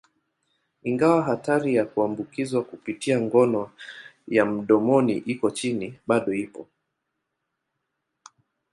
Ingawa hatari ya kuambukizwa kupitia ngono ya mdomoni iko chini, bado ipo.